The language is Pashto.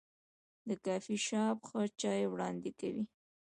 دا کافي شاپ ښه چای وړاندې کوي.